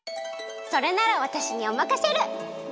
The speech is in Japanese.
それならわたしにおまかシェル！